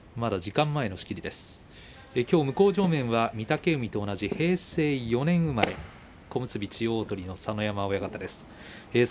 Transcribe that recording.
きょう向正面は御嶽海と同じ平成４年生まれ小結千代鳳の佐ノ山親方です。